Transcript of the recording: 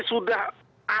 sudah ada gerakan